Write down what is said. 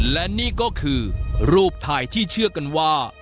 และนี่ก็คือรูปถ่ายที่เชื่อกันว่า